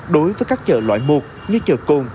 đối với các chợ loại một như chợ cồn